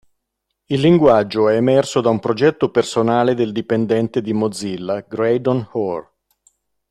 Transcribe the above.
Il linguaggio è emerso da un progetto personale del dipendente di Mozilla Graydon Hoare.